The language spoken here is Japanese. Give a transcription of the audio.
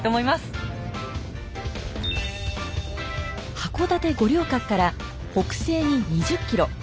函館五稜郭から北西に２０ｋｍ。